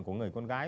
của người con gái